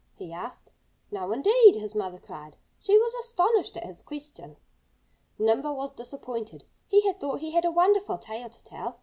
he asked. "No, indeed!" his mother cried. She was astonished at his question. Nimble was disappointed. He had thought he had a wonderful tale to tell.